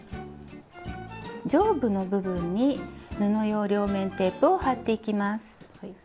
上部の部分に布用両面テープを貼っていきます。